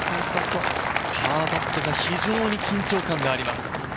パーパットが非常に緊張感があります。